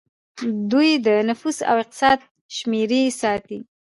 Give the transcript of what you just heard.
دوی د نفوس او اقتصاد شمیرې ساتي.